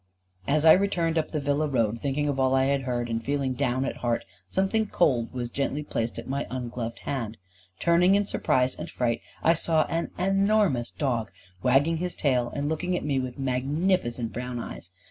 As I returned up the Villa Road, thinking of all I had heard, and feeling down at heart, something cold was gently placed in my ungloved hand. Turning in surprise and fright I saw an enormous dog, wagging his tail, and looking at me with magnificent brown eyes.